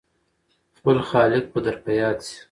خپل خالق به در په ياد شي !